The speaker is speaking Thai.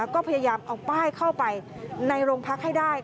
ก็พยายามเอาป้ายเข้าไปในโรงพักให้ได้